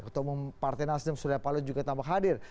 ketua partai nasional surya palut juga tampak hadir